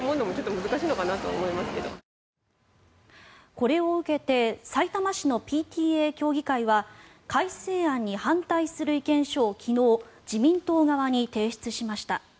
これを受けてさいたま市のＰＴＡ協議会は改正案に反対する意見書を昨日、自民党側に提出しました。